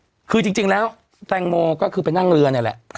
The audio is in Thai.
อืมคือจริงจริงแล้วแตงโมก็คือไปนั่งเรือนั่นแหละค่ะ